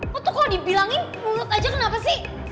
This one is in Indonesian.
waktu tuh kalau dibilangin mulut aja kenapa sih